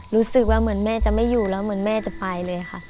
รู้สึกว่าเหมือนแม่จะไม่อยู่แล้วเหมือนแม่จะไปเลยค่ะ